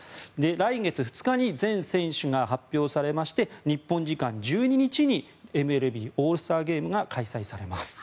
来月２日に全選手が発表されまして日本時間１２日にＭＬＢオールスターゲームが開催されます。